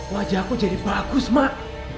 wajahku jadi bagus mak